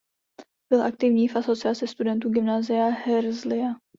Byl aktivní v asociaci studentů Gymnázia Herzlija.